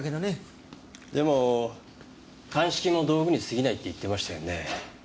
でも鑑識も道具に過ぎないって言ってましたよね。